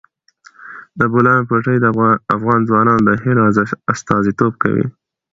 د بولان پټي د افغان ځوانانو د هیلو استازیتوب کوي.